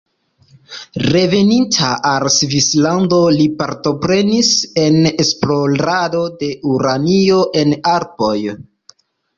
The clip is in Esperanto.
Reveninta al Svislando li partoprenis en esplorado de uranio en Alpoj.